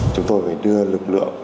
chúng tôi phải đưa lực lượng